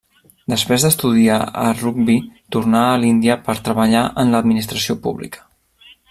Després d'estudiar a Rugby tornà a l'Índia per treballar en l'administració pública.